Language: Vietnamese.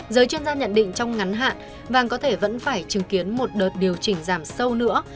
giới chuyên gia nhận định trong ngắn hạn vàng có thể vẫn phải chứng kiến một đợt điều chỉnh giảm sâu nữa